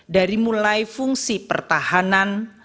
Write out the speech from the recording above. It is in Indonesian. dari mulai fungsi pertahanan